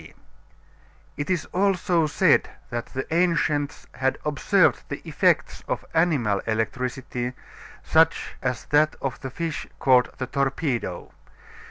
D. It is also said that the ancients had observed the effects of animal electricity, such as that of the fish called the torpedo.